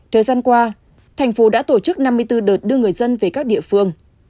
thời gian qua thành phố đã tổ chức năm mươi bốn đợt đưa người dân về các địa phương